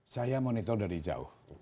saya monitor dari jauh